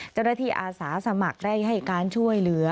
เจ้าหน้าที่อาสาสมัครได้ให้การช่วยเหลือ